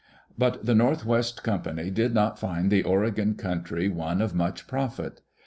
But the North West Company did not find the Oregon country one of much profit.